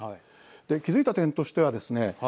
気付いた点としてはですね